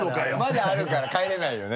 まだあるから帰れないよね？